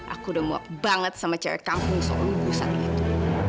aku udah muak banget sama cewek kampung seorang ibu satu itu